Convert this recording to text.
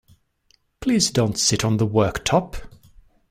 Please don't sit on the worktop!